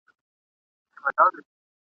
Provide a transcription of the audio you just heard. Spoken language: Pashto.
وئېل ئې دا د خپلو خواهشونو غلامان دي ..